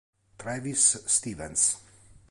Travis Stevens